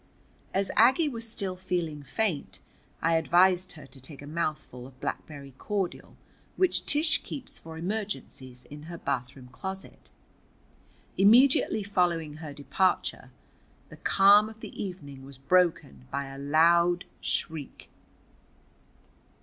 As Aggie was still feeling faint, I advised her to take a mouthful of blackberry cordial, which Tish keeps for emergencies in her bathroom closet. Immediately following her departure the calm of the evening was broken by a loud shriek.